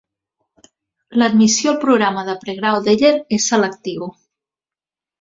L'admissió al programa de pregrau d'Eller és selectiu.